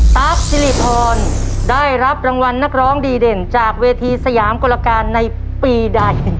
ตั๊กสิริพรได้รับรางวัลนักร้องดีเด่นจากเวทีสยามกลการในปีใด